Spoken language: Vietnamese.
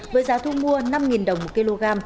với giá thu mua năm đồng một kg